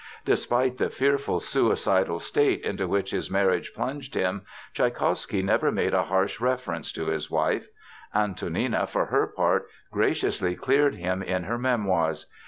Despite the fearful suicidal state into which his marriage plunged him, Tschaikowsky never made a harsh reference to his wife. Antonina, for her part, graciously cleared him in her memoirs.